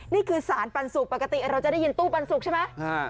นี่คือสารปันสุกปกติเราจะได้ยินตู้ปันสุกใช่ไหม